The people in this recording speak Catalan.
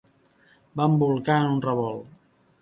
Vam bolcar en un revolt.